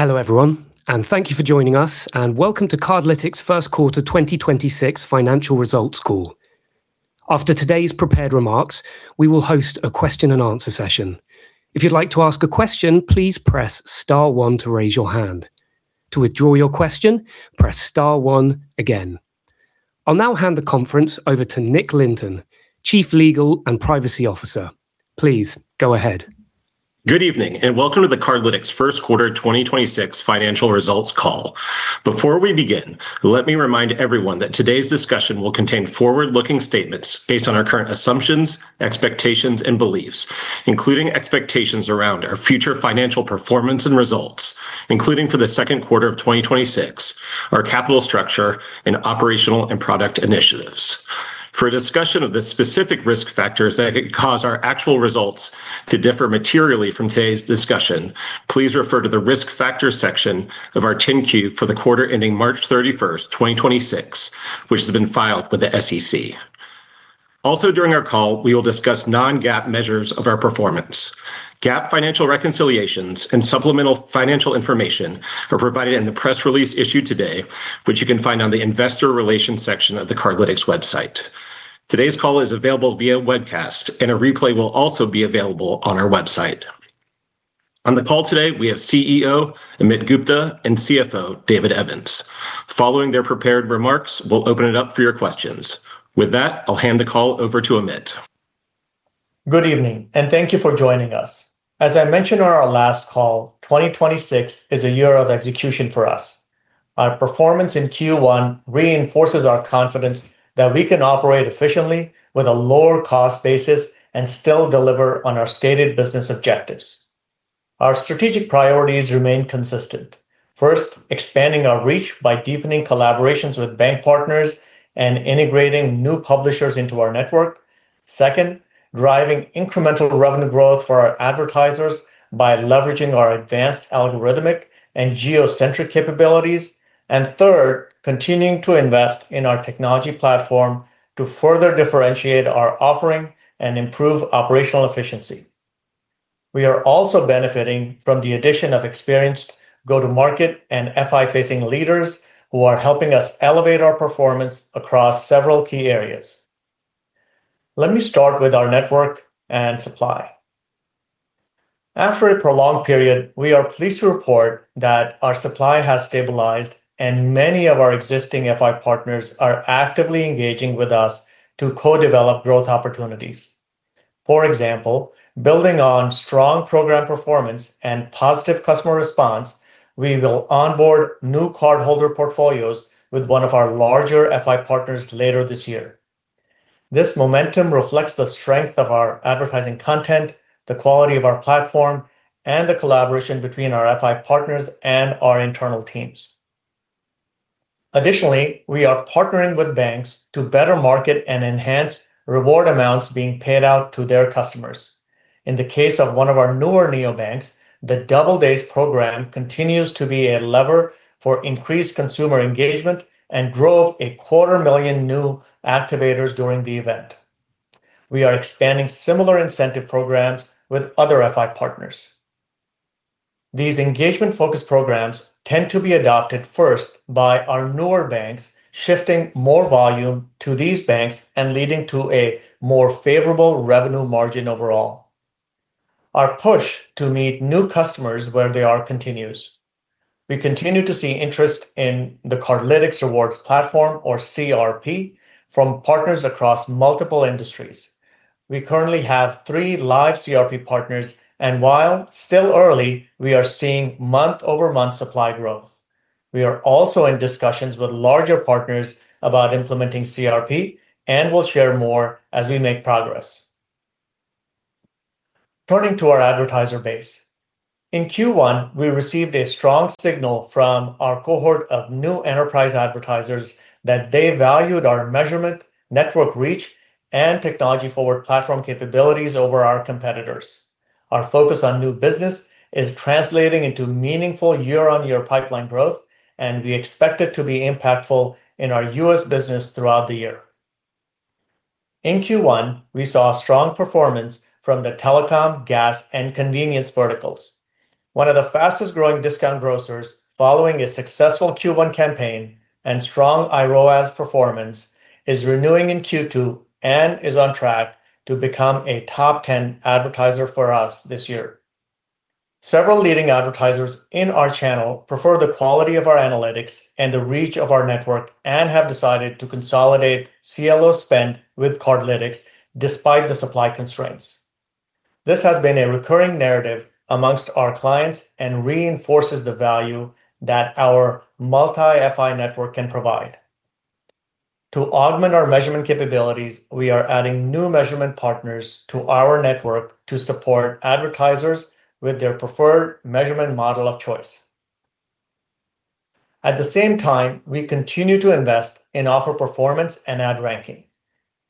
Hello everyone, and thank you for joining us, and welcome to Cardlytics' first quarter 2026 financial results call. After today's prepared remarks, we will host a question and answer session. If you'd like to ask a question, please press star one to raise your hand. To withdraw your question, press star one again. I'll now hand the conference over to Nick Lynton, Chief Legal and Privacy Officer. Please, go ahead. Good evening, and welcome to the Cardlytics first quarter 2026 financial results call. Before we begin, let me remind everyone that today's discussion will contain forward-looking statements based on our current assumptions, expectations, and beliefs, including expectations around our future financial performance and results, including for the second quarter of 2026, our capital structure, and operational and product initiatives. For a discussion of the specific risk factors that could cause our actual results to differ materially from today's discussion, please refer to the risk factors section of our 10-Q for the quarter ending March 31st, 2026, which has been filed with the SEC. Also during our call, we will discuss non-GAAP measures of our performance. GAAP financial reconciliations and supplemental financial information are provided in the press release issued today, which you can find on the investor relations section of the Cardlytics website. Today's call is available via webcast, and a replay will also be available on our website. On the call today, we have CEO, Amit Gupta, and CFO, David Evans. Following their prepared remarks, we'll open it up for your questions. With that, I'll hand the call over to Amit. Good evening, and thank you for joining us. As I mentioned on our last call, 2026 is a year of execution for us. Our performance in Q1 reinforces our confidence that we can operate efficiently with a lower cost basis and still deliver on our stated business objectives. Our strategic priorities remain consistent. First, expanding our reach by deepening collaborations with bank partners and integrating new publishers into our network. Second, driving incremental revenue growth for our advertisers by leveraging our advanced algorithmic and geocentric capabilities. Third, continuing to invest in our technology platform to further differentiate our offering and improve operational efficiency. We are also benefiting from the addition of experienced go-to-market and FI-facing leaders who are helping us elevate our performance across several key areas. Let me start with our network and supply. After a prolonged period, we are pleased to report that our supply has stabilized and many of our existing FI partners are actively engaging with us to co-develop growth opportunities. For example, building on strong program performance and positive customer response, we will onboard new cardholder portfolios with one of our larger FI partners later this year. This momentum reflects the strength of our advertising content, the quality of our platform, and the collaboration between our FI partners and our internal teams. Additionally, we are partnering with banks to better market and enhance reward amounts being paid out to their customers. In the case of one of our newer neobanks, the Double Days program continues to be a lever for increased consumer engagement and drove a 250,000 new activators during the event. We are expanding similar incentive programs with other FI partners. These engagement-focused programs tend to be adopted first by our newer banks, shifting more volume to these banks and leading to a more favorable revenue margin overall. Our push to meet new customers where they are continues. We continue to see interest in the Cardlytics Rewards Platform, or CRP, from partners across multiple industries. We currently have three live CRP partners, and while still early, we are seeing month-over-month supply growth. We are also in discussions with larger partners about implementing CRP, and we'll share more as we make progress. Turning to our advertiser base, in Q1, we received a strong signal from our cohort of new enterprise advertisers that they valued our measurement, network reach, and technology-forward platform capabilities over our competitors. Our focus on new business is translating into meaningful year-on-year pipeline growth, and we expect it to be impactful in our U.S. business throughout the year. In Q1, we saw strong performance from the telecom, gas, and convenience verticals. One of the fastest-growing discount grocers following a successful Q1 campaign and strong IROAS performance is renewing in Q2 and is on track to become a top 10 advertiser for us this year. Several leading advertisers in our channel prefer the quality of our analytics and the reach of our network and have decided to consolidate CLO spend with Cardlytics despite the supply constraints. This has been a recurring narrative amongst our clients and reinforces the value that our multi-FI network can provide. To augment our measurement capabilities, we are adding new measurement partners to our network to support advertisers with their preferred measurement model of choice. At the same time, we continue to invest in offer performance and ad ranking.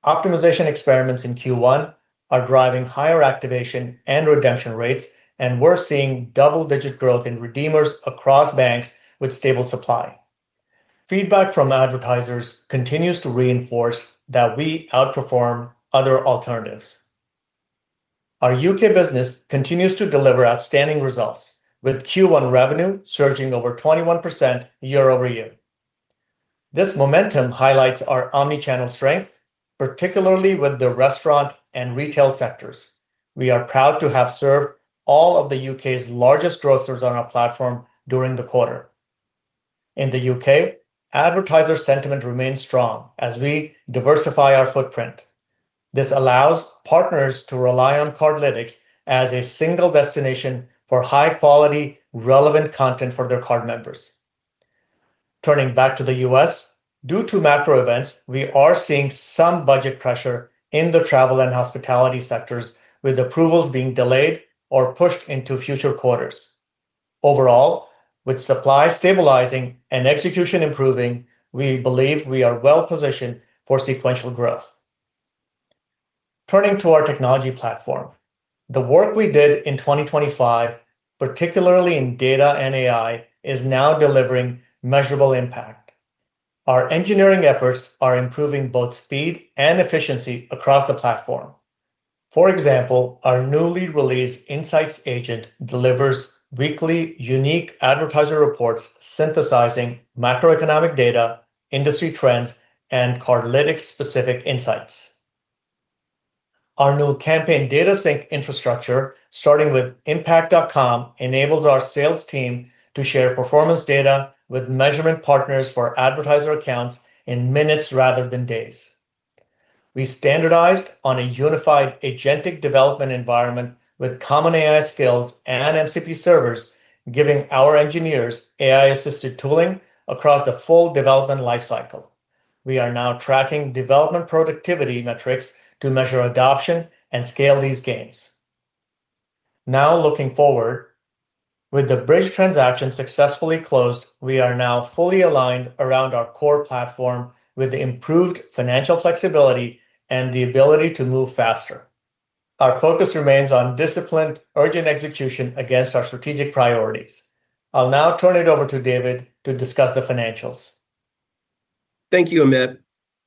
Optimization experiments in Q1 are driving higher activation and redemption rates, and we're seeing double-digit growth in redeemers across banks with stable supply. Feedback from advertisers continues to reinforce that we outperform other alternatives. Our U.K. business continues to deliver outstanding results, with Q1 revenue surging over 21% year-over-year. This momentum highlights our omni-channel strength, particularly with the restaurant and retail sectors. We are proud to have served all of the U.K.'s largest grocers on our platform during the quarter. In the U.K., advertiser sentiment remains strong as we diversify our footprint. This allows partners to rely on Cardlytics as a single destination for high-quality, relevant content for their card members. Turning back to the U.S., due to macro events, we are seeing some budget pressure in the travel and hospitality sectors, with approvals being delayed or pushed into future quarters. Overall, with supply stabilizing and execution improving, we believe we are well-positioned for sequential growth. Turning to our technology platform, the work we did in 2025, particularly in data and AI, is now delivering measurable impact. Our engineering efforts are improving both speed and efficiency across the platform. For example, our newly released insights agent delivers weekly unique advertiser reports synthesizing macroeconomic data, industry trends, and Cardlytics specific insights. Our new campaign data sync infrastructure, starting with impact.com, enables our sales team to share performance data with measurement partners for advertiser accounts in minutes rather than days. We standardized on a unified agentic development environment with common AI skills and MCP servers, giving our engineers AI-assisted tooling across the full development life cycle. We are now tracking development productivity metrics to measure adoption and scale these gains. Now looking forward, with the Bridg transaction successfully closed, we are now fully aligned around our core platform with improved financial flexibility and the ability to move faster. Our focus remains on disciplined, urgent execution against our strategic priorities. I'll now turn it over to David to discuss the financials. Thank you, Amit.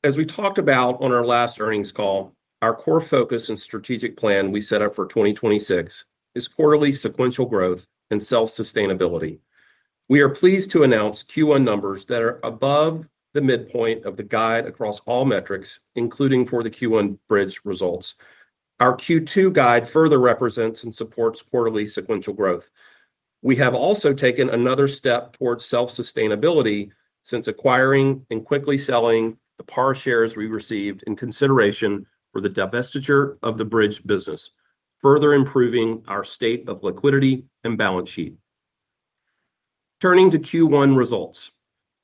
As we talked about on our last earnings call, our core focus and strategic plan we set up for 2026 is quarterly sequential growth and self-sustainability. We are pleased to announce Q1 numbers that are above the midpoint of the guide across all metrics, including for the Q1 Bridg results. Our Q2 guide further represents and supports quarterly sequential growth. We have also taken another step towards self-sustainability since acquiring and quickly selling the PAR shares we received in consideration for the divestiture of the Bridg business, further improving our state of liquidity and balance sheet. Turning to Q1 results.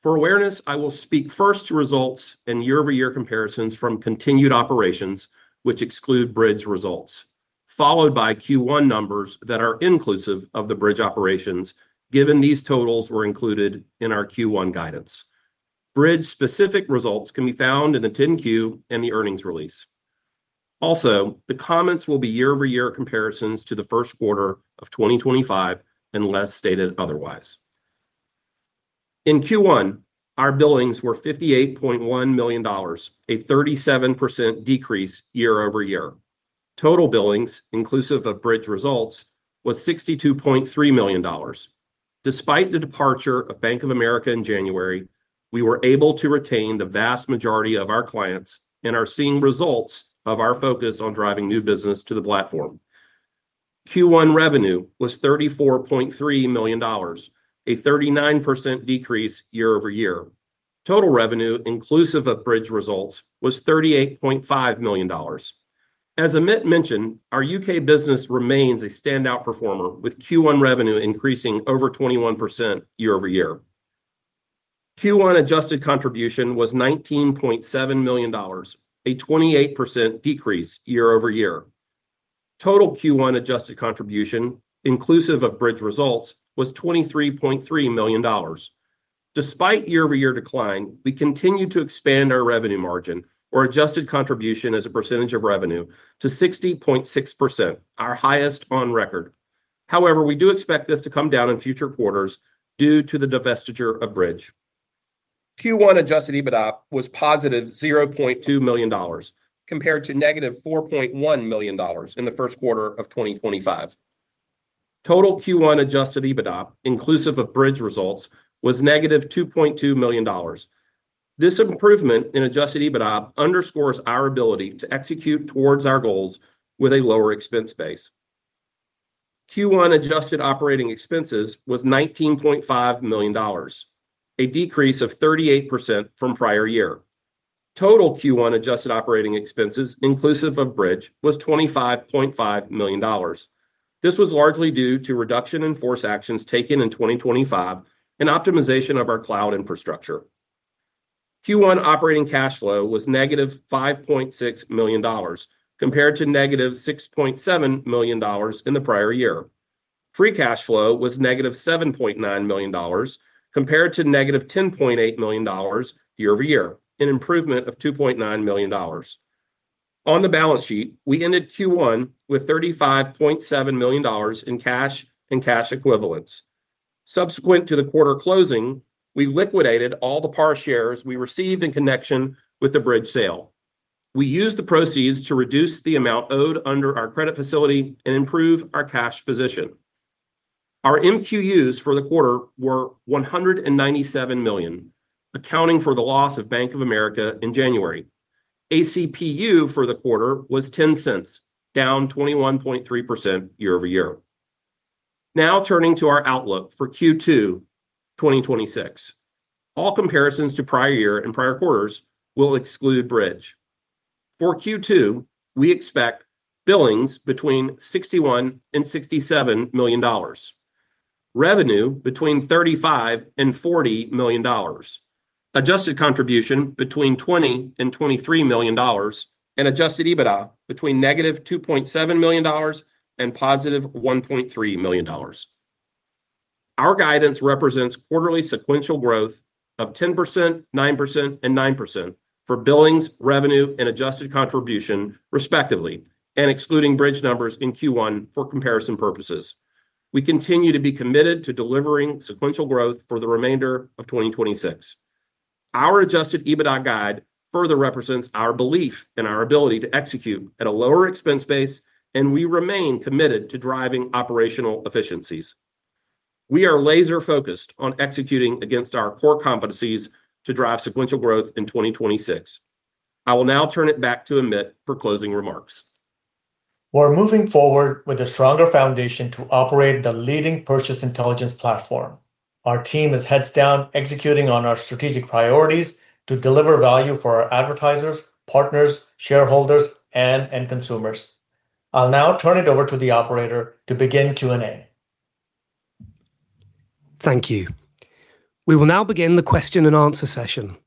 For awareness, I will speak first to results and year-over-year comparisons from continued operations, which exclude Bridg results, followed by Q1 numbers that are inclusive of the Bridg operations, given these totals were included in our Q1 guidance. Bridg specific results can be found in the 10-Q and the earnings release. The comments will be year-over-year comparisons to the first quarter of 2025, unless stated otherwise. In Q1, our billings were $58.1 million, a 37% decrease year-over-year. Total billings, inclusive of Bridg results, was $62.3 million. Despite the departure of Bank of America in January, we were able to retain the vast majority of our clients and are seeing results of our focus on driving new business to the platform. Q1 revenue was $34.3 million, a 39% decrease year-over-year. Total revenue, inclusive of Bridg results, was $38.5 million. As Amit mentioned, our U.K. business remains a standout performer, with Q1 revenue increasing over 21% year-over-year. Q1 adjusted contribution was $19.7 million, a 28% decrease year-over-year. Total Q1 adjusted contribution, inclusive of Bridg results, was $23.3 million. Despite year-over-year decline, we continue to expand our revenue margin or adjusted contribution as a percentage of revenue to 60.6%, our highest on record. We do expect this to come down in future quarters due to the divestiture of Bridg. Q1 adjusted EBITDA was +$0.2 million, compared to -$4.1 million in the first quarter of 2025. Total Q1 adjusted EBITDA, inclusive of Bridg results, was -$2.2 million. This improvement in adjusted EBITDA underscores our ability to execute towards our goals with a lower expense base. Q1 adjusted operating expenses was $19.5 million, a decrease of 38% from prior year. Total Q1 adjusted operating expenses, inclusive of Bridg, was $25.5 million. This was largely due to reduction in force actions taken in 2025 and optimization of our cloud infrastructure. Q1 operating cash flow was -$5.6 million, compared to -$6.7 million in the prior year. Free cash flow was -$7.9 million, compared to -$10.8 million year-over-year, an improvement of $2.9 million. On the balance sheet, we ended Q1 with $35.7 million in cash and cash equivalents. Subsequent to the quarter closing, we liquidated all the PAR shares we received in connection with the Bridg sale. We used the proceeds to reduce the amount owed under our credit facility and improve our cash position. Our MQUs for the quarter were 197 million, accounting for the loss of Bank of America in January. ACPU for the quarter was $0.10, down 21.3% year-over-year. Turning to our outlook for Q2 2026. All comparisons to prior year and prior quarters will exclude Bridg. For Q2, we expect billings between $61 million and $67 million, revenue between $35 million and $40 million, adjusted contribution between $20 million and $23 million, and adjusted EBITDA between -$2.7 million and +$1.3 million. Our guidance represents quarterly sequential growth of 10%, 9%, and 9% for billings, revenue, and adjusted contribution respectively, and excluding Bridg numbers in Q1 for comparison purposes. We continue to be committed to delivering sequential growth for the remainder of 2026. Our adjusted EBITDA guide further represents our belief in our ability to execute at a lower expense base, and we remain committed to driving operational efficiencies. We are laser-focused on executing against our core competencies to drive sequential growth in 2026. I will now turn it back to Amit for closing remarks. We're moving forward with a stronger foundation to operate the leading purchase intelligence platform. Our team is heads down executing on our strategic priorities to deliver value for our advertisers, partners, shareholders, and end consumers. I'll now turn it over to the operator to begin Q&A. Thank you. We will now begin the question and answer session.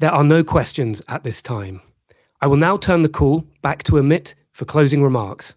There are no questions at this time. I will now turn the call back to Amit for closing remarks.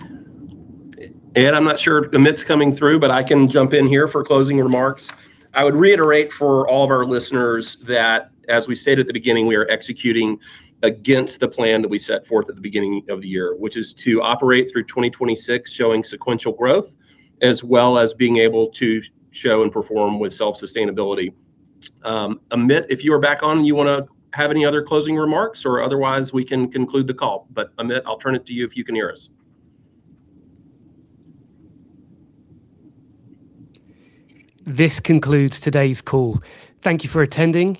[Ed], I'm not sure if Amit's coming through, but I can jump in here for closing remarks. I would reiterate for all of our listeners that, as we stated at the beginning, we are executing against the plan that we set forth at the beginning of the year, which is to operate through 2026 showing sequential growth, as well as being able to show and perform with self-sustainability. Amit, if you are back on and you wanna have any other closing remarks, or otherwise we can conclude the call. Amit, I'll turn it to you if you can hear us. This concludes today's call. Thank you for attending.